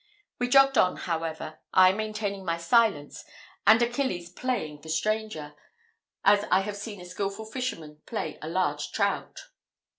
We jogged on, however, I maintaining my silence, and Achilles playing the stranger, as I have seen a skilful fisherman play a large trout.